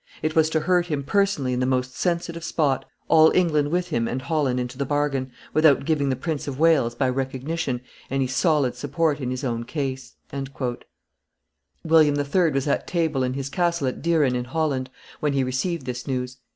It was to hurt him personally in the most sensitive spot, all England with him and Holland into the bargain, without giving the Prince of Wales, by recognition, any solid support in his own case." [Illustration: News for William III. 481] William III. was at table in his castle of Dieren, in Holland, when he received this news.